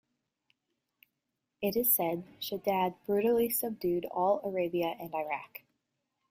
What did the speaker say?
It is said Shaddad brutally subdued all Arabia and Iraq.